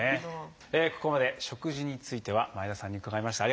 ここまで食事については前田さんに伺いました。